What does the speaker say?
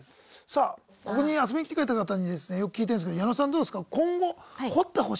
さあここに遊びに来てくれた方にですねよく聞いてるんですけど矢野さんどうですか今後掘ってほしいテーマの人とかいます？